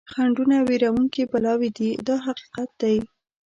خنډونه وېروونکي بلاوې دي دا حقیقت دی.